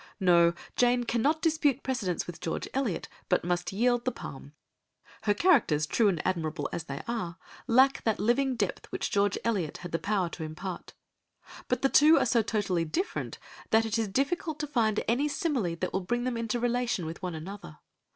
No, Jane cannot dispute precedence with George Eliot, but must yield the palm; her characters, true and admirable as they are, lack that living depth which George Eliot had the power to impart. But the two are so totally different that it is difficult to find any simile that will bring them into relation with one another.